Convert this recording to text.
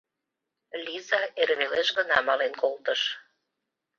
Лиза эр велеш гына мален колтыш.